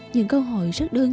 chẳng bao giờ suy giảm